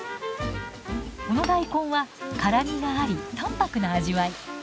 この大根は辛みがあり淡白な味わい。